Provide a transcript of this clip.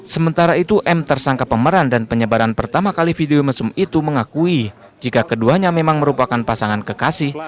sementara itu m tersangka pemeran dan penyebaran pertama kali video mesum itu mengakui jika keduanya memang merupakan pasangan kekasih